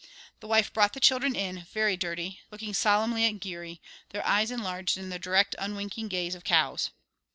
The wife brought the children in, very dirty, looking solemnly at Geary, their eyes enlarged in the direct unwinking gaze of cows.